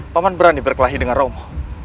paman berani berkelahi dengan romo